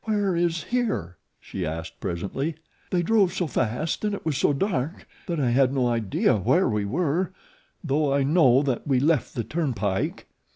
"Where is 'here'?" she asked presently. "They drove so fast and it was so dark that I had no idea where we were, though I know that we left the turnpike."